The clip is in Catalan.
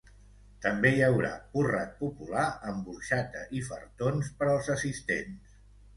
També hi haurà porrat popular amb orxata i fartons per als assistents.